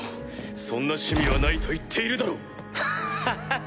そんな趣味はないと言っているだろう！ハハハ！